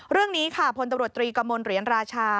เรื่องนี้ค่ะพลตำรวจตรีกระมวลเหรียญราชา